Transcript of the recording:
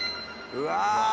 うわ！